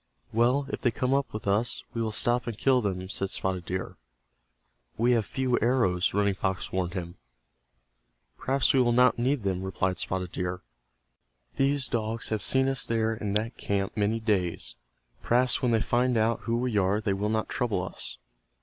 "Well, if they come up with us, we will stop and kill them," said Spotted Deer. "We have few arrows," Running Fox warned him. "Perhaps we will not need them," replied Spotted Deer. "These dogs have seen us there in that camp many days. Perhaps when they find out who we are they will not trouble us."